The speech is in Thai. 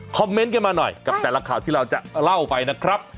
เมนต์กันมาหน่อยกับแต่ละข่าวที่เราจะเล่าไปนะครับ